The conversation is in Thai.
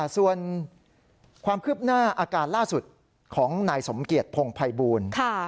ส่วนความคืบหน้าอาการล่าสุดของนายสมเกียจพงภัยบูล